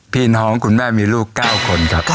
พี่น้องของคุณแม่มีลูก๙คนครับ